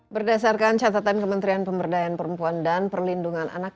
berdasarkan catatan kementerian pemberdayaan perempuan dan perlindungan anak